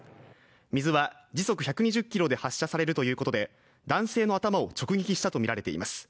水は、時速１２０キロで発射されるということで男性の頭を直撃したとみられています。